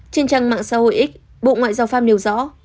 trên trang mạng xã hội x bộ ngoại giao pháp nêu rõ